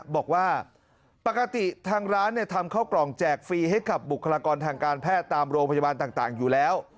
บอกว่าปกติทางร้านทำเข้ากล่องแจกฟรีให้กับบุคลากรทางการแพทย์ตามโรงพยาบาลต่างอยู่แล้ว